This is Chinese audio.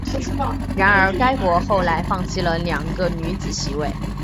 然而该国后来放弃了两个女子席位。